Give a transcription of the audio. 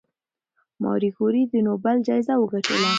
ماري کوري د نوبل جایزه وګټله.